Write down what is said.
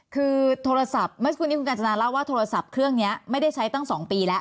คือโทรศัพท์เมื่อกี้คุณอาจารย์เล่าว่าโทรศัพท์เครื่องเนี้ยไม่ได้ใช้ตั้งสองปีแล้ว